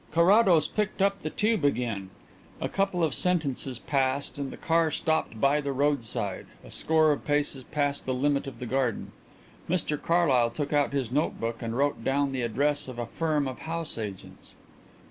Carrados picked up the tube again. A couple of sentences passed and the car stopped by the roadside, a score of paces past the limit of the garden. Mr Carlyle took out his notebook and wrote down the address of a firm of house agents.